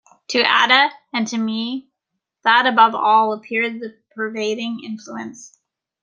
To Ada and to me, that above all appeared the pervading influence.